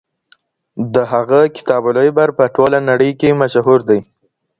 د هغه کتاب العبر په ټوله نړۍ کي مشهور دی.